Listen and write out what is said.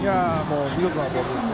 見事なボールです。